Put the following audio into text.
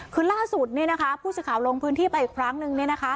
คือล่าสุดผู้สื่อข่าวลงพื้นที่ไปอีกครั้งนึง